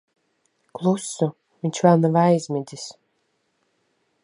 Klusu. Viņš vēl nav aizmidzis.